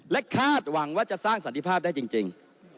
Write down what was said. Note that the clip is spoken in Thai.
และคาดหวังว่าจะสร้างสันติภาพได้จริง